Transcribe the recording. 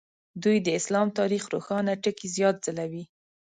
دوی د اسلام تاریخ روښانه ټکي زیات ځلوي.